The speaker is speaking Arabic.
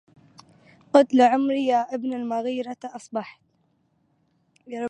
قد لعمري يا ابن المغيرة أصبحت